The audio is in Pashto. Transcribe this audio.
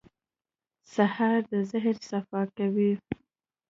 سهار د ذهن صفا کوي.